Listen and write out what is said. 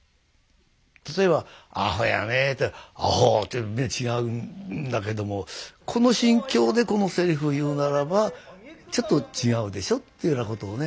例えば「あほやね」と「あほう」というの全然違うんだけども「この心境でこのセリフを言うならばちょっと違うでしょ？」っていうようなことをね